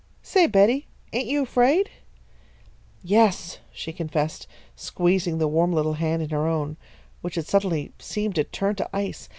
"Say, Betty, ain't you afraid?" "Yes," she confessed, squeezing the warm little hand in her own, which had suddenly seemed to turn to ice.